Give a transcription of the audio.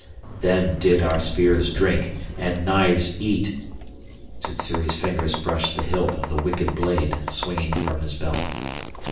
"Then did our spears drink, and knives eat!" Sssuri's fingers brushed the hilt of the wicked blade swinging from his belt.